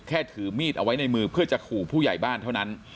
ถือมีดเอาไว้ในมือเพื่อจะขู่ผู้ใหญ่บ้านเท่านั้น